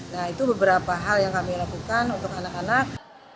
nah itu beberapa hal yang kami lakukan untuk anak anak